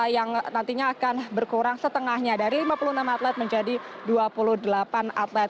yang nantinya akan berkurang setengahnya dari lima puluh enam atlet menjadi dua puluh delapan atlet